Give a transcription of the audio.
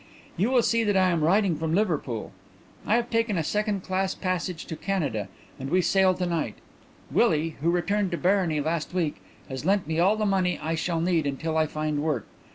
"You will see that I am writing from Liverpool. I have taken a second class passage to Canada and we sail to night. Willie, who returned to Barony last week, has lent me all the money I shall need until I find work.